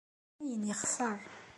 Dayen yexṣer.